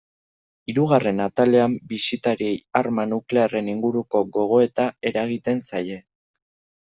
Hirugarren atalean bisitariei arma nuklearren inguruko gogoeta eragiten zaie.